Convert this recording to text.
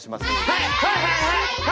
はい。